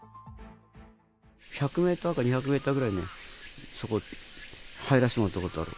１００メーターか２００メーターぐらいね、そこ入らせてもらったことある。